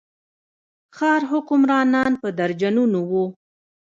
ښار حکمرانان په درجنونو وو.